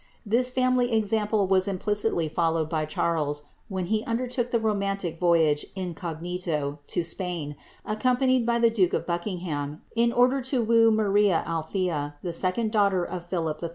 This family example was ini pliciily followed by Charles when he undertook the romantic voyage, incojjnito, to Spain, accompanied by the duke of Buckingham, in order ;o woo Maria Althea, the second daughter of Philip 111.